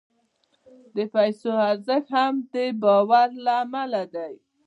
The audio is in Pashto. د پیسو ارزښت هم د باور له امله دی.